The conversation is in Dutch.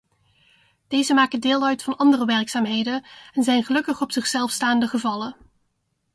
Deze maken deel uit van andere werkzaamheden en zijn gelukkig op zichzelf staande gevallen.